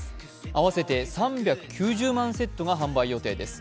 合わせて３９０万セットが販売です。